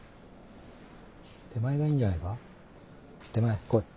手前がいいんじゃないか手前来い！